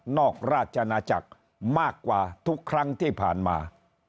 อกราชนาจักรมากกว่าทุกครั้งที่ผ่านมา